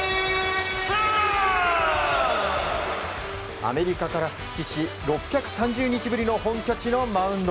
アメリカから復帰し６３０日ぶりの本拠地のマウンド。